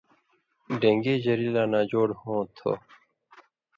ڈېن٘گی ژری لا ناجوڑ ہوں تھو۔